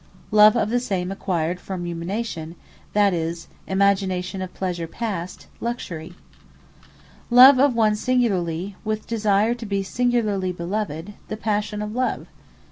Luxury Love of the same, acquired from Rumination, that is Imagination of Pleasure past, LUXURY. The Passion Of Love; Jealousie Love of one singularly, with desire to be singularly beloved, THE PASSION OF LOVE.